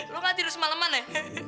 lu gak tidur semaleman ya